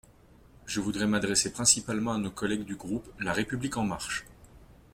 Je voudrais m’adresser principalement à nos collègues du groupe La République en marche.